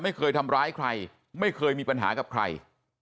ไม่เคยทำร้ายใครไม่เคยมีปัญหากับใคร